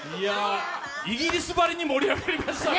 イギリスばりに盛り上がりましたね。